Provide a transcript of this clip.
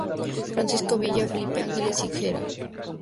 Francisco Villa, Felipe Ángeles y Gral.